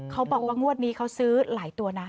เขาบอกว่างวดนี้เขาซื้อหลายตัวนะ